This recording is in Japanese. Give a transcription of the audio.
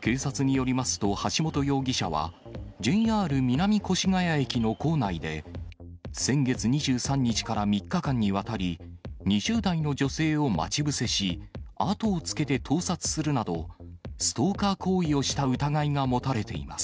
警察によりますと、橋本容疑者は、ＪＲ南越谷駅の構内で、先月２３日から３日間にわたり、２０代の女性を待ち伏せし、後をつけて盗撮するなど、ストーカー行為をした疑いが持たれています。